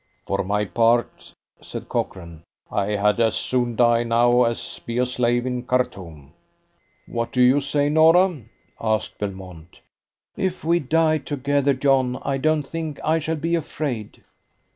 "For my part," said Cochrane, "I had as soon die now as be a slave in Khartoum." "What do you say, Norah?" asked Belmont. "If we die together, John, I don't think I shall be afraid."